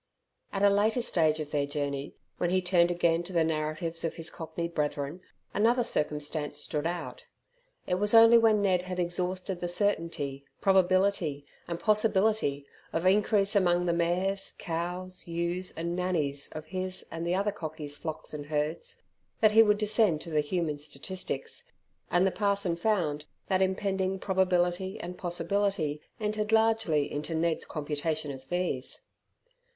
At a later stage of their journey, when he turned again to the narratives of his cockey brethren, another circumstance stood out. It was only when Ned had exhausted the certainty, probability, and possibility of increase among the mares, cows, ewes, and nannies of his and the other cockies' flocks and herds, that he would descend to the human statistics, and the parson found that impending probability and possibility entered largely into Ned's computation of these.